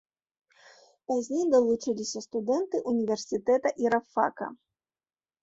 Пазней далучыліся студэнты ўніверсітэта і рабфака.